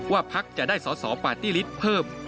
ว่าพักจะได้สอปฏิฤทธิ์เพิ่ม